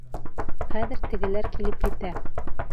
Хәҙер тегеләр килеп етә!